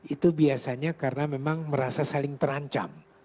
itu biasanya karena memang merasa saling terancam